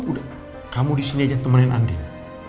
sudah kamu disini saja temanin andin